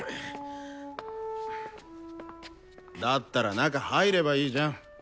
だったら中入ればいいじゃん。